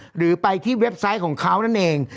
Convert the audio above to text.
หรือไปที่เว็บไซต์ของเขานั่นเอง